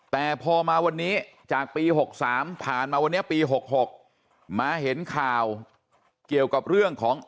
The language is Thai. แต่พอมาวันนี้จากปี๖๓ผ่านมาวันนี้ปี๖๖มาเห็นข่าวเกี่ยวกับเรื่องของ